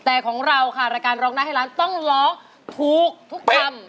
แต่ของเราค่ะรายการร้องได้ให้ล้านต้องร้องถูกทุกคำ